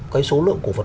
cái số lượng cổ vật